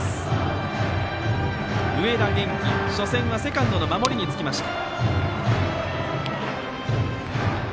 植田元喜、初戦はセカンドの守りにつきました。